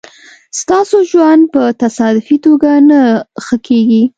ستاسو ژوند په تصادفي توگه نه ښه کېږي